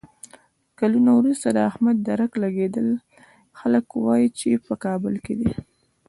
کلونه ورسته د احمد درک لګېدلی، خلک وایي چې په کابل کې دی.